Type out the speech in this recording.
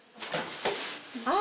あっ。